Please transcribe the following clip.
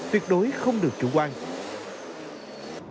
tuyệt đối không được chủ quan